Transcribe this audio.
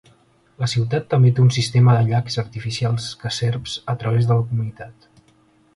La ciutat també té un sistema de llacs artificials que serps a través de la comunitat.